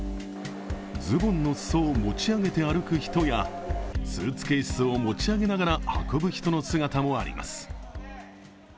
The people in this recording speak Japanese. ズボンのすそを持ち上げて歩く人やスーツケースを持ち上げながら運ぶ人の姿もあります。